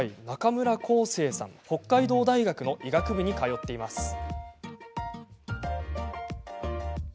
中村恒星さん、北海道大学の医学部に通っています。